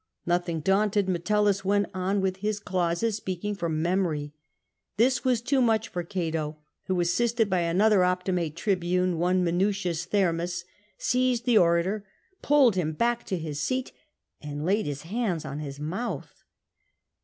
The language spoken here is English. Nothing daunted, Metellus went on with his clauses, speaking from memory. This was too much for Cato, who, assisted by another Optimate tribune, one Minucius Thermus, seized the orator, pulled him back to his seat, and laid his hands on his mouth.